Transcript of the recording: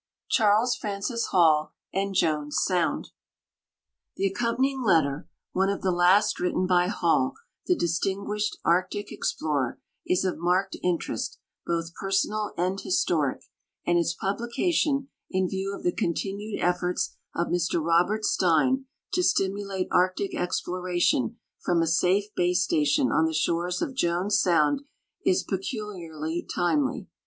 CHARLES FRANCIS HALL AND JONES SOUND The accom})an\nng letter — one of the last written by Hall, the distinguished Arctic ex})lorer — is of marked interest, botli per sonal and historic, and its publication, in view of the continued efforts of Mr Robert Stein to stimulate Arctic exploration from a safe base station on the shores of Jones sound, is peculiarly timely.